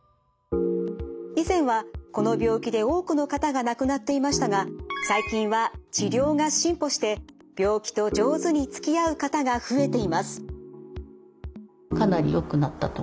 以前はこの病気で多くの方が亡くなっていましたが最近は治療が進歩して病気と上手につきあう方が増えています。